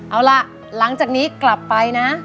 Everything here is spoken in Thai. เอาล่ะหลังจากนี้กลับไปนะ